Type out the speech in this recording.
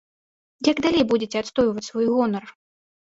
Як далей будзеце адстойваць свой гонар?